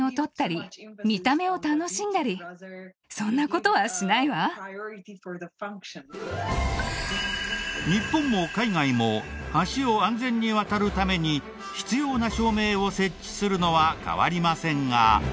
実は外国人建築家からは日本も海外も橋を安全に渡るために必要な照明を設置するのは変わりませんが。